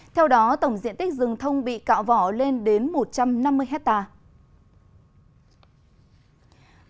theo đó tổng diện tích rừng thông bị cạo vỏ lên đến một trăm năm mươi hectare